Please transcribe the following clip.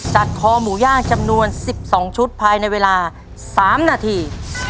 จัดคอหมูย่างจำนวนสิบสองชุดภายในเวลาสามนาที